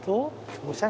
おしゃれ。